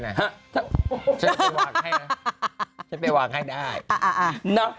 ฉันไปวางให้นะฉันไปวางให้ได้